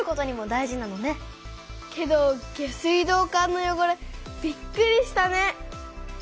けど下水道管のよごれびっくりしたね。